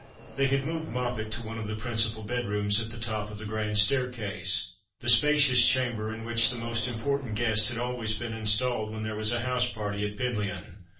They had moved Moppet to one of the principal bed rooms at the top of the grand staircase, the spacions chamber in which the most important gnests had been always installed when there was a house party at Penlyon.